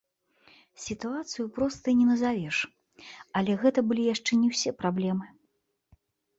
Сітуацыю простай не назавеш, але гэта былі яшчэ не ўсе праблемы.